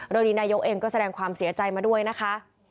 ดังนี้นายก็แสดงความเสียใจมาด้วยนะคะ